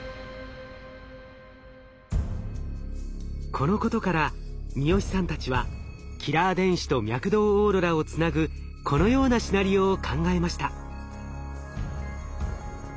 このことから三好さんたちはキラー電子と脈動オーロラをつなぐこのようなシナリオを考えました。